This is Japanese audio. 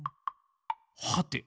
はて？